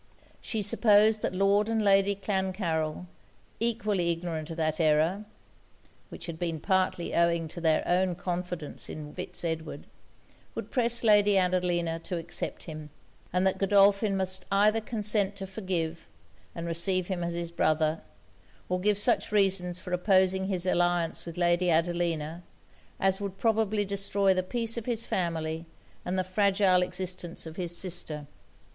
She supposed that Lord and Lady Clancarryl, equally ignorant of that error (which had been partly owing to their own confidence in Fitz Edward) would press Lady Adelina to accept him; and that Godolphin must either consent to forgive, and receive him as his brother, or give such reasons for opposing his alliance with Lady Adelina, as would probably destroy the peace of his family and the fragile existence of his sister.